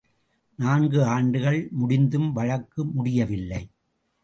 நான்கு ஆண்டுகள் முடிந்தும் வழக்கு முடியவில்லை.